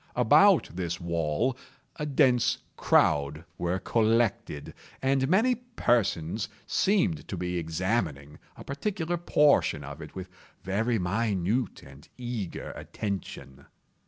About this wall a dense crowd were collected, and many persons seemed to be examining a particular portion of it with very minute and eager attention.